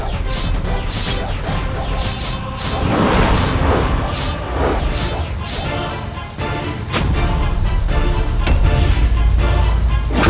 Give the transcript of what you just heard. aku yang pertama